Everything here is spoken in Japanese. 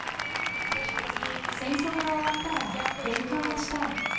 戦争が終わったら、勉強がしたい。